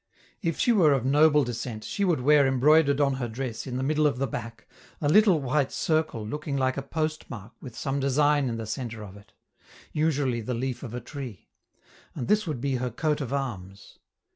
If she were of noble descent she would wear embroidered on her dress in the middle of the back a little white circle looking like a postmark with some design in the centre of it usually the leaf of a tree; and this would be her coat of arms.